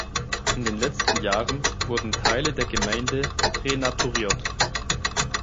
In den letzten Jahren wurden Teile der Gemeinde renaturiert.